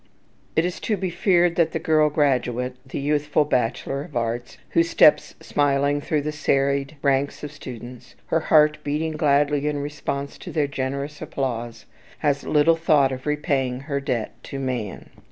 It is to be feared that the girl graduate, the youthful bachelor of arts who steps smiling through the serried ranks of students, her heart beating gladly in response to their generous applause, has little thought of repaying her debt to man.